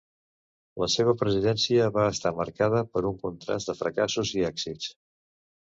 La seva presidència va estar marcada per un contrast de fracassos i èxits.